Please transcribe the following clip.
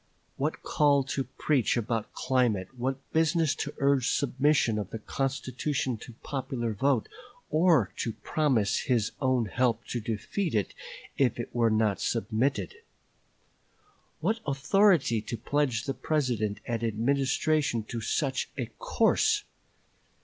What call to preach about climate, what business to urge submission of the constitution to popular vote, or to promise his own help to defeat it if it were not submitted; what authority to pledge the President and Administration to such a course!